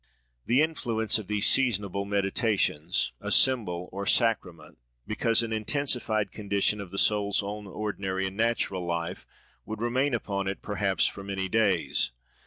The influence of these seasonable meditations—a symbol, or sacrament, because an intensified condition, of the soul's own ordinary and natural life—would remain upon it, perhaps for many days.